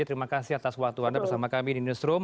terima kasih atas waktu anda bersama kami di newsroom